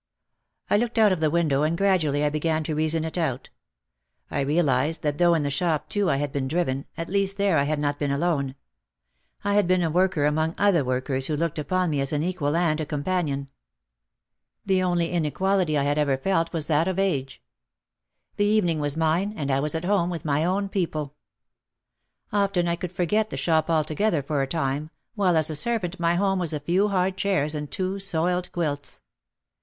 I looked out of the window and gradually I began to reason it out. I realised that though in the shop too I had been driven, at least there I had not been alone. I had been a worker among other workers who looked upon me as an equal and a companion. The only WOMEN AT THE PUSH CARTS HAGGLED MORE AND MORE DESPERATELY OVER A CENT. OUT OF THE SHADOW 181 inequality I had ever felt was that of age. The evening was mine and I was at home with my own people. Often I could forget the shop altogether for a time, while as a servant my home was a few hard chairs and two soiled quilts.